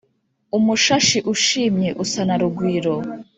umushashi ushimye usa na rugwiro.